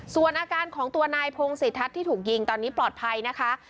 ส่วนอาการของตัวนายพงศิทัศน์ที่ถูกยิงตอนนี้ปลอดภัยนะคะ